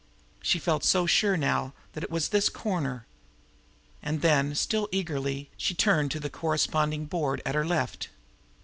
She felt so sure now that it was this corner. And then, still eagerly, she turned to the corresponding board at her left.